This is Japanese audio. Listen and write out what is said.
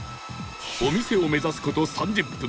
お店を目指す事３０分